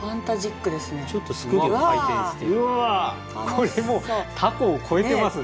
これもう凧を超えてますね。